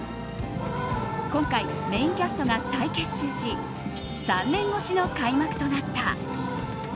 今回、メインキャストが再結集し３年越しの開幕となった。